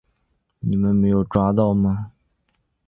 你们没有抓到吗？